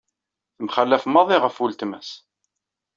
Tamxalaf maḍi ɣef uletma-s.